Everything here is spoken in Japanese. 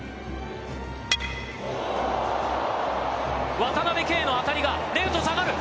渡辺憩の当たりがレフト、下がる。